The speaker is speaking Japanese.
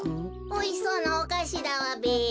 おいしそうなおかしだわべ。